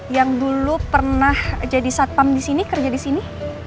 yang dulu pernah jadi satpam di sini kerja di sini